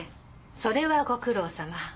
それはご苦労さま。